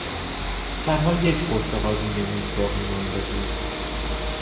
تنها یک پرتقال روی میز باقی مانده بود.